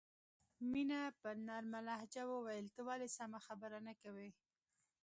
مینه په نرمه لهجه وویل ته ولې سمه خبره نه کوې